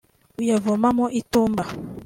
uyavoma mu itumba)